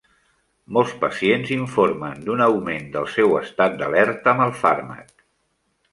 Molts pacients informen d'un augment del seu estat d'alerta amb el fàrmac.